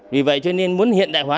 vì vậy cho nên muốn hiện đại hóa